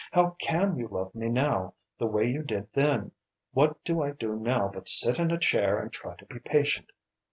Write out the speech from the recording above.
How can you love me now, the way you did then? What do I do now but sit in a chair and try to be patient?